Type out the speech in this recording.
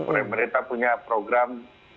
pemerintah punya program